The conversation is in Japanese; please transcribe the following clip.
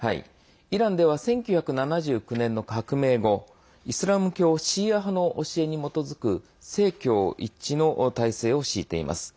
イランでは１９７９年の革命後イスラム教シーア派の教えに基づく政教一致の体制を敷いています。